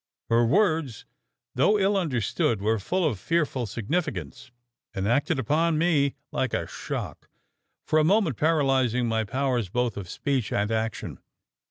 Her words, though ill understood, were full of fearful significance, and acted upon me like a shock for a moment paralysing my powers both of speech and action.